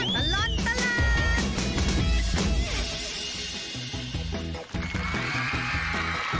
ช่วงตลอดตลาด